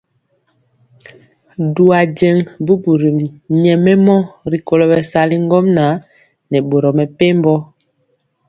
Du ajeŋg bubuli nyɛmemɔ rikolo bɛsali ŋgomnaŋ nɛ boro mepempɔ.